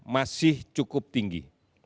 masih cukup tinggi